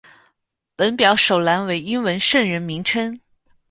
本表首栏为英文圣人名称。